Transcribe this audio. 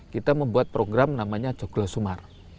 kami membuat program namanya joglo sumar